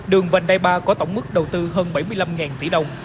đường vành đai ba có tổng mức đầu tư hơn bảy mươi năm tỷ đồng